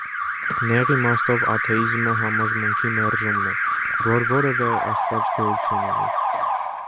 Նեղ իմաստով աթեիզմը համոզմունքի մերժումն է, որ որևէ աստված գոյություն ունի։